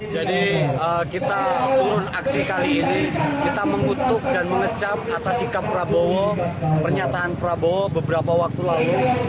kita turun aksi kali ini kita mengutuk dan mengecam atas sikap prabowo pernyataan prabowo beberapa waktu lalu